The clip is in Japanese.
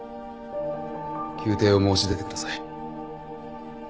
休廷を申し出てください。